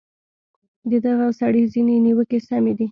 د دغه سړي ځینې نیوکې سمې دي.